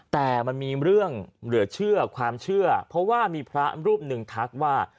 แต่มันมีเรื่องเหลือเชื่อความเชื่อเพราะว่ามีพระรูปหนึ่งทักว่า